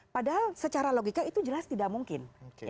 padahal secara logika itu jelas tidak mungkin